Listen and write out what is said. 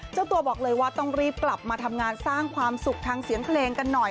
เจ้าตัวบอกเลยว่าต้องรีบกลับมาทำงานสร้างความสุขทางเสียงเพลงกันหน่อย